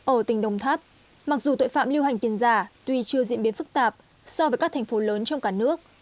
ở tỉnh đồng tháp mặc dù tội phạm lưu hành tiền giả tuy chưa diễn biến phức tạp so với các thành phố lớn trong cả nước